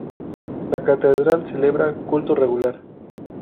La Catedral celebra culto regular.